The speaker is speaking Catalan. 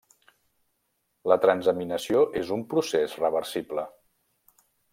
La transaminació és un procés reversible.